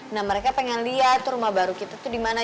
nah mereka pengen liat rumah baru kita tuh dimana